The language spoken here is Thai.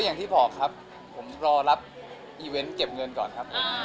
ก็อย่างที่พ่อครับผมรอรับอีเว้นเก็บเงินก่อนครับ